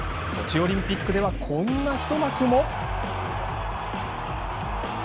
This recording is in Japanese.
ソチオリンピックではこんな一幕も。